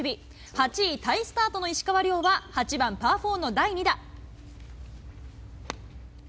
８位タイスタートの石川遼は８番パー４第２打。